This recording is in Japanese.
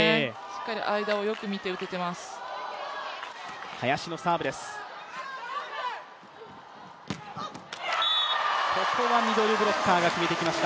しっかり間を見て、打てています。